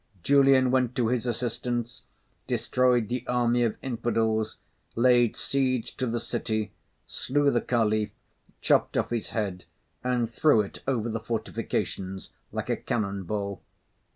Julian went to his assistance, destroyed the army of infidels, laid siege to the city, slew the Caliph, chopped off his head and threw it over the fortifications like a cannon ball.